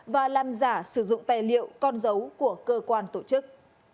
và làm giả sử dụng tài liệu con dấu của cơ quan tổ chức